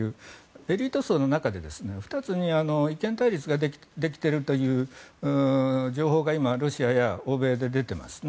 エリート層の中でも、２つに意見対立ができているという情報が今ロシアや欧米で出ていますね。